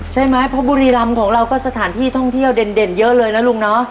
ใช่ไหมเพราะบุรีรำของเราก็สถานที่ท่องเที่ยวเด่นเยอะเลยนะลุงเนาะ